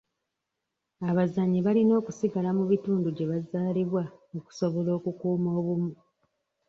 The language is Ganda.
Abazannyi balina okusigala mu bitundu gye bazaalibwa okusobola okukuuma obumu.